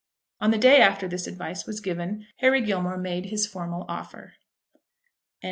On the day after this advice was given, Harry Gilmore made his formal offer. CHAPTER II.